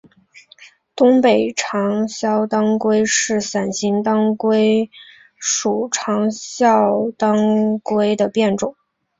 东北长鞘当归是伞形科当归属长鞘当归的变种。